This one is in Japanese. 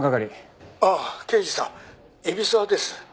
「ああ刑事さん海老沢です」